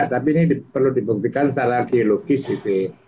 tapi ini perlu dibuktikan secara geologis gitu